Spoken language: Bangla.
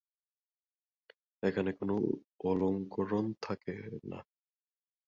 এখানে কোনো অলংকরণ থাকে না।